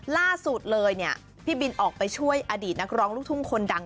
ล่าสุดเลยเนี่ยพี่บินออกไปช่วยอดีตนักร้องลูกทุ่งคนดัง